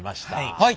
はい。